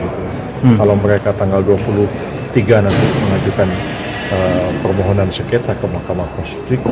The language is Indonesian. kalau mereka tanggal dua puluh tiga nanti mengajukan permohonan sengketa ke mahkamah konstitusi